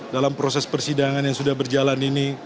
dalam proses persidangan yang sudah berjalan ini